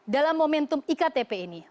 dalam momentum iktp ini